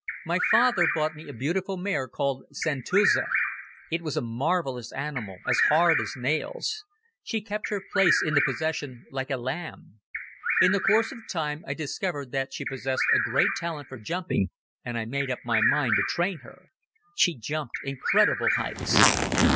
My father bought me a beautiful mare called Santuzza. It was a marvelous animal, as hard as nails. She kept her place in the procession like a lamb. In course of time I discovered that she possessed a great talent for jumping and I made up my mind to train her. She jumped incredible heights.